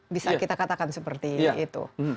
bisa kita katakan seperti itu